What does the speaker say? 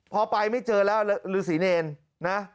พอไปไม่เจอแล้วฤษีเนรนะ